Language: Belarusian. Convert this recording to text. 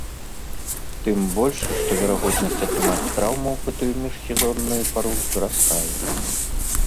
Тым больш, што верагоднасць атрымаць траўму ў гэтую міжсезонную пару ўзрастае.